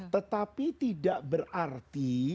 tetapi tidak berarti